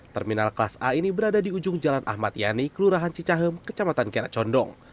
terminal kelas a ini berada di ujung jalan ahmad yani kelurahan cicahem kecamatan kena condong